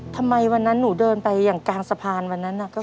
ทำไมวันนั้นหนูเดินไปอย่างกลางสะพานวันนั้น